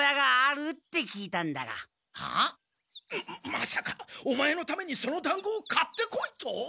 まさかオマエのためにそのだんごを買ってこいと？